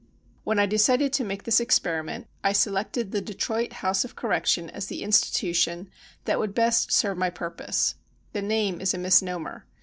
When I decided to make this experiment, I se lected the Detroit House of Correction as the institution that would liest serve my pur]x)se. The name is a misnomer.